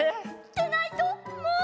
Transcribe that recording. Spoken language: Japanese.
でないともう！